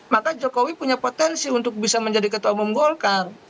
maka jokowi punya potensi untuk bisa menjadi ketua umum golkar